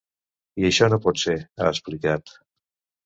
I això no pot ser, ha explicat.